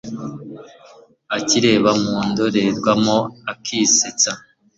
akireba mundorerwamo akisetsa